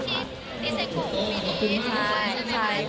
ที่เซโกมีที่ทุกคนใช่ไหมคะ